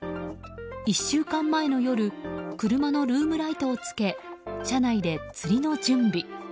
１週間前の夜車のルームライトをつけ車内で釣りの準備。